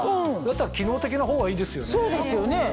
だったら機能的なほうがいいですよね。